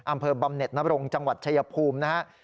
อำเภอบำเน็ตนบรงจังหวัดชายภูมินะครับ